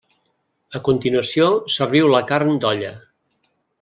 A continuació serviu la carn d'olla.